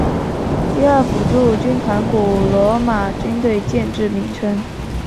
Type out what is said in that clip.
第二辅助军团古罗马军队建制名称。